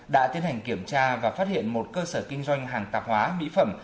đã tiến hành kiểm tra và phát hiện một cơ sở kinh doanh hàng tạp hóa mỹ phẩm